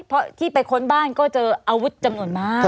เพราะที่ไปค้นบ้านก็เจออาวุธจำนวนมาก